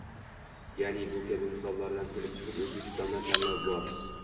Yaʼni bu kabi misollardan kelib chiqib, Oʻzbekistonda tanlov bor